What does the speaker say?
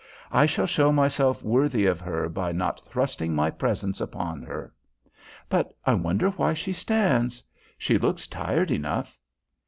I shall show myself worthy of her by not thrusting my presence upon her. But I wonder why she stands? She looks tired enough."